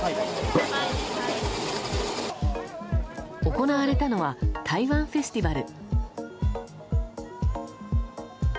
行われたのは台湾フェスティバル。